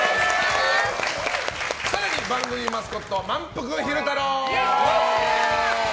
更に、番組マスコットまんぷく昼太郎。